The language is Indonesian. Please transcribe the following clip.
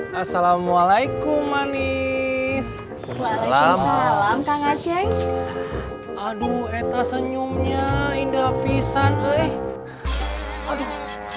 ya assalamualaikum manis selamat malam tangan ceng aduh eta senyumnya indah pisang